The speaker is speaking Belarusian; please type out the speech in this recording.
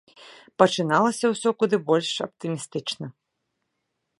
Пачыналася ўсё куды больш аптымістычна.